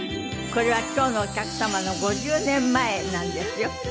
これは今日のお客様の５０年前なんですよ。